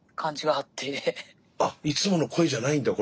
あっいつもの声じゃないんだこれは。